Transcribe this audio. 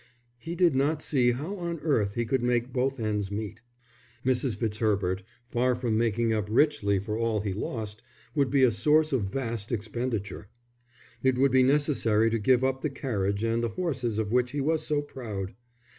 He did not see how on earth he could make both ends meet. Mrs. Fitzherbert, far from making up richly for all he lost, would be a source of vast expenditure. It would be necessary to give up the carriage and the horses of which he was so proud.